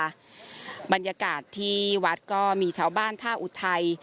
ประมาณสิบหกนาฬิกาบรรยากาศที่วัดก็มีชาวบ้านท่าอุทัย